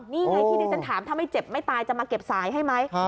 นี่ไงที่ดิฉันถามถ้าไม่เจ็บไม่ตายจะมาเก็บสายให้ไหม